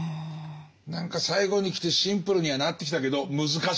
何か最後にきてシンプルにはなってきたけど難しいね。